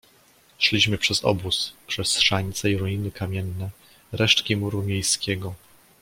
"Szliśmy przez obóz, przez szańce i ruiny kamienne, resztki muru miejskiego."